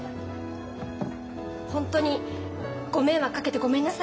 ホントにご迷惑かけてごめんなさい。